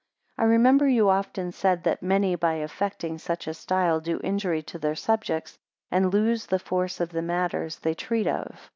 3 I remember you often said, that many by affecting such a style do injury to their subjects, and lose the force of the matters they treat of.